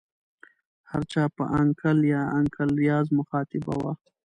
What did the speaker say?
هر چا په انکل یا انکل ریاض مخاطبه وه.